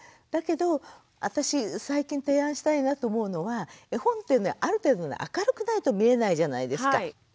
だけど私最近提案したいなと思うのは絵本ってある程度明るくないと見えないじゃないですか。